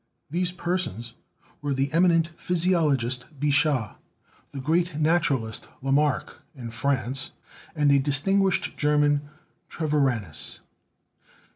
These persons were the eminent physiologist Bichat; the great naturalist Lamarck, in France, and a distinguished German, Treviranus.